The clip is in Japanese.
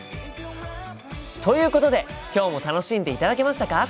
ということで今日も楽しんでいただけましたか？